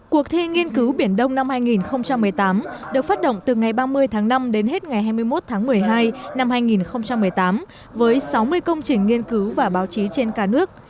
các bài dự thi năm hai nghìn một mươi tám được phát động từ ngày ba mươi tháng năm đến hết ngày hai mươi một tháng một mươi hai năm hai nghìn một mươi tám với sáu mươi công trình nghiên cứu và báo chí trên cả nước